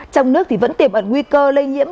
trong nước thì vẫn tiềm ẩn nguy cơ lây nhiễm